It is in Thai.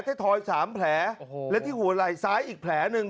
เท้ทอย๓แผลและที่หัวไหล่ซ้ายอีกแผลนึง